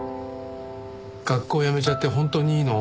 学校やめちゃって本当にいいの？